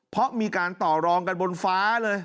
เพราะมีการต่อรองกันบนฟ้าเลย